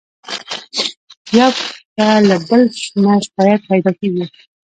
يو ته له بل نه شکايت پيدا کېږي.